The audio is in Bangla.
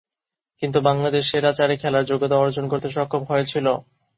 কিন্তু বাংলাদেশ সেরা চারে খেলার যোগ্যতা অর্জন করতে সক্ষম হয়েছিল।